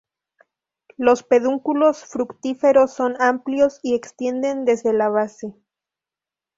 Los pedúnculos fructíferos son amplios y extienden desde la base.